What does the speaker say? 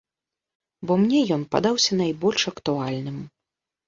Бо мне ён падаўся найбольш актуальным.